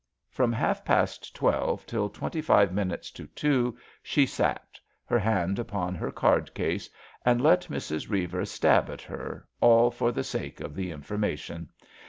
From half past twelve till twenty five minutes to two she sat, her hand upon her card case, and let Mrs. Beiver stab at her, all for the sake of the information.